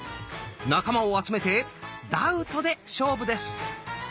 仲間を集めて「ダウト」で勝負です！